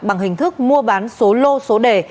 bằng hình thức mua bán số lô số đề